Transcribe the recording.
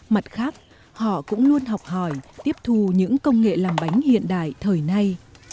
mặt khác họ cũng luôn học hỏi tiếp thu những công nghệ làm bánh hiện đại thời nay